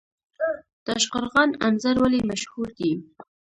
تاشقرغان انځر ولې مشهور دي؟